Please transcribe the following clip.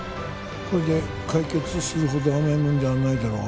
これで解決するほど甘いもんじゃないだろうが。